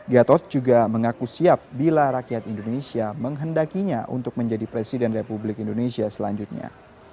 gatot juga mengaku siap bila rakyat indonesia menghendakinya untuk menjadi presiden republik indonesia selanjutnya